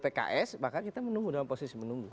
pks maka kita menunggu dalam posisi menunggu